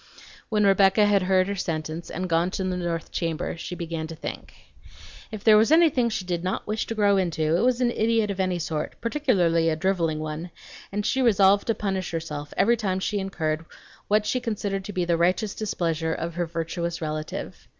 When Rebecca had heard her sentence and gone to the north chamber she began to think. If there was anything she did not wish to grow into, it was an idiot of any sort, particularly a driveling one; and she resolved to punish herself every time she incurred what she considered to be the righteous displeasure of her virtuous relative.